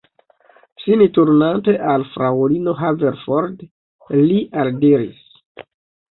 Sin turnante al fraŭlino Haverford, li aldiris: